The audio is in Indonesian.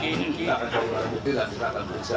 kita akan cari barang bukti dan kita akan periksa